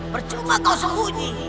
percuma kau sembunyi